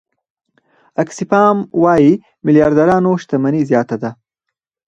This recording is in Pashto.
آکسفام وايي میلیاردرانو شتمني زیاته ده.